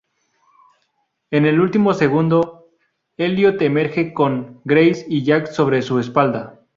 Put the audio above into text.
En el último segundo, Elliot emerge con Grace y Jack sobre su espalda.